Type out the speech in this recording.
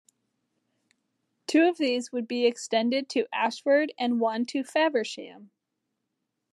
Two of these would be extended to Ashford and one to Faversham.